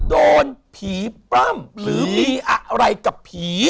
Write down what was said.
โดนผีปล้ำหรือมีอะไรกับผี